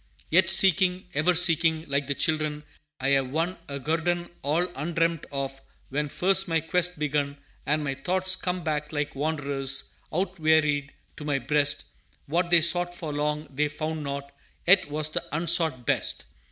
"Yet seeking, ever seeking, Like the children, I have won A guerdon all undreamt of When first my quest begun, And my thoughts come back like wanderers, Out wearied, to my breast; What they sought for long they found not, Yet was the Unsought best.